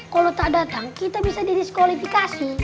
kalo tak dateng kita bisa di diskualifikasi